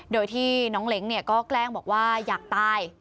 โดยที่น้องเล้งก็แกล้งบอกว่าอยากตาย